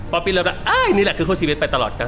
พอปีเริ่มแล้วอ้ายนี่แหละคือคู่ชีวิตไปตลอดกัน